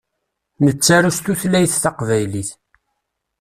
Nettaru s tutlayt taqbaylit.